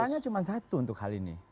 masalahnya cuma satu untuk hal ini